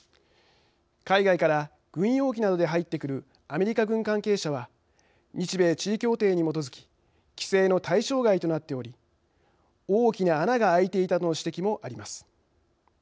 海外から軍用機などで入ってくるアメリカ軍関係者は日米地位協定に基づき規制の対象外となっており大きな穴が開いていたとの指摘もあります。